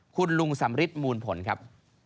คุณลุงสำริทมูลผลครับ